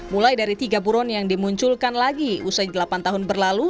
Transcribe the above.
mulai dari tiga buron yang dimunculkan lagi usai delapan tahun berlalu